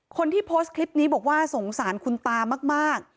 คนที่โพสต์คลิปนี้บอกว่าสงสารคุณตามาก